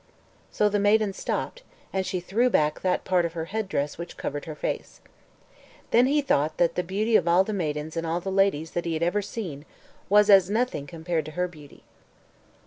So the maiden stopped; and she threw back that part of her head dress which covered her face. Then he thought that the beauty of all the maidens and all the ladies that he had ever seen was as nothing compared to her beauty.